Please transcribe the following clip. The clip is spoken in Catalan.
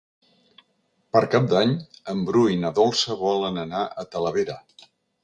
Per Cap d'Any en Bru i na Dolça volen anar a Talavera.